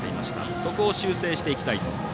そこを修正していきたいと。